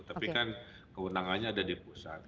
tapi kan kewenangannya ada di pusat